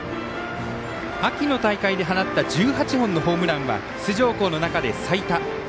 秋の大会で放った１８本のホームランは出場校の中で最多。